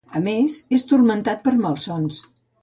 A més, és turmentat per malsons.